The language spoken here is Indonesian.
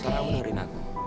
salah unurin aku